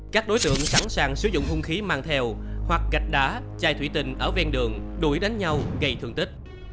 các đối tượng sẵn sàng sử dụng hung khí mang theo hoặc gạch đá chai thủy tinh ở ven đường đuổi đánh nhau gây thương tích